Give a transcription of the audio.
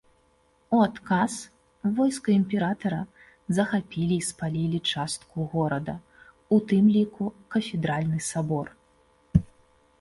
У адказ войска імператара захапілі і спалілі частку горада, у тым ліку кафедральны сабор.